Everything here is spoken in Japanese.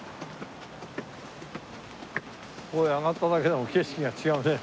これ上がっただけでも景色が違うね。